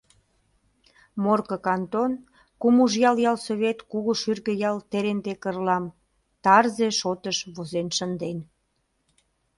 «Морко кантон, Кумужял ялсовет Кугушӱргӧ ял Теренте Кырлам тарзе шотыш возен шынден.